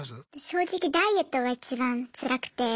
正直ダイエットがいちばんつらくて。